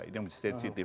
ini yang sensitif